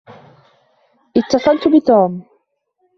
اتصلت بتوم.